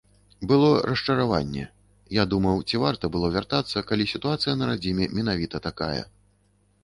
Было расчараванне, я думаў, ці варта было вяртацца, калі сітуацыя на радзіме менавіта такая.